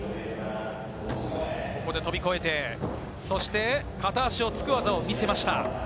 飛び越えて、そして片足をつく技を見せました。